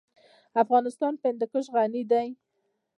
افغانستان په هندوکش غني دی.